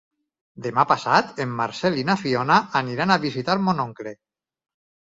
Demà passat en Marcel i na Fiona aniran a visitar mon oncle.